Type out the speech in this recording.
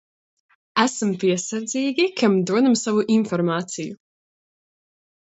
Esam piesardzīgi, kam dodam savu informāciju.